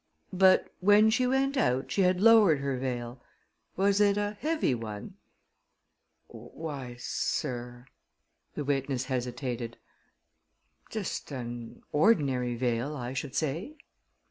"But when she went out, she had lowered her veil. Was it a heavy one?" "Why, sir," the witness hesitated, "just an ordinary veil, I should say."